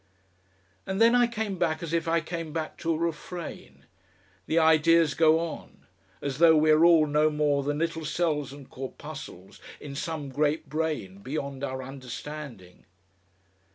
And then I came back as if I came back to a refrain; the ideas go on as though we are all no more than little cells and corpuscles in some great brain beyond our understanding....